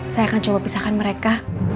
saya akan coba pisahkan mereka